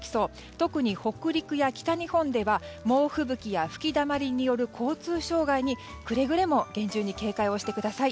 特に北陸や北日本では猛吹雪や吹きだまりによる交通障害にくれぐれも厳重に警戒してください。